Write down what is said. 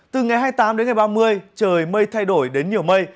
từ ngày hai mươi tám đến ngày ba mươi trời mây thay đổi đến nhiều mây